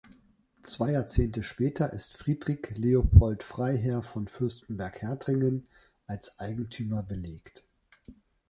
Zwei Jahrzehnte später ist Friedrich Leopold Freiherr von Fürstenberg-Herdringen als Eigentümer belegt.